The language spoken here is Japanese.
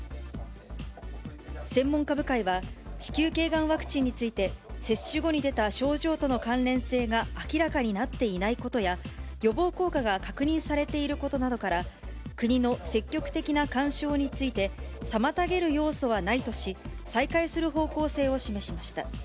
専門家部会は、子宮けいがんワクチンについて、接種後に出た症状との関連性が明らかになっていないことや、予防効果が確認されていることなどから、国の積極的な勧奨について、妨げる要素はないとし、再開する方向性を示しました。